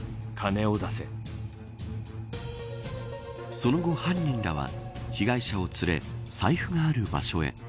その後、犯人らは被害者を連れ財布がある場所へ。